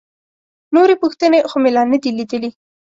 نورې پوښتنې خو مې لا نه دي لیدلي.